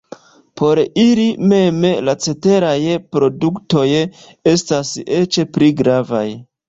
Por ili mem la ceteraj produktoj estas eĉ pli gravaj.